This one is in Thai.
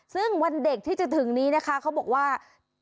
ซึ่งวันเด็กที่จะถึงนี้นะคะเขาบอกว่า